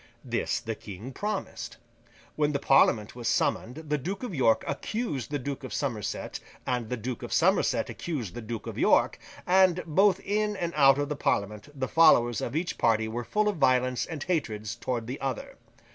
This the King promised. When the Parliament was summoned, the Duke of York accused the Duke of Somerset, and the Duke of Somerset accused the Duke of York; and, both in and out of Parliament, the followers of each party were full of violence and hatred towards the other.